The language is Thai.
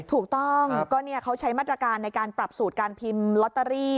ถูกต้องก็เขาใช้มาตรการในการปรับสูตรการพิมพ์ลอตเตอรี่